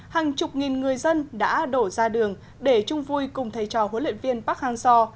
hàng chục nghìn người dân đã đổ ra đường để chung vui cùng thầy trò huấn luyện viên park hang seo